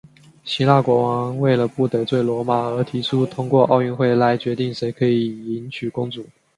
希腊国王为了不得罪罗马而提出通过奥运会来决定谁可以迎娶公主。